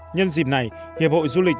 nhân dịp này hiệp hội du lịch